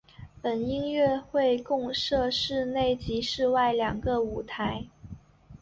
本音乐会共设室内及室外两个舞台。